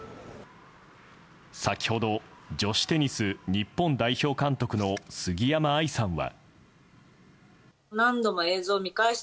先ほど女子テニス日本代表監督の杉山愛さんは。